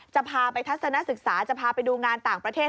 จะพาไปทัศนศึกษาจะพาไปดูงานต่างประเทศ